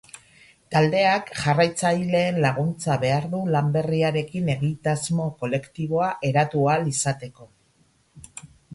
Taldeak jarraitzaileen laguntza behar du lan berriarekin egitasmo kolektiboa eratu ahal izateko.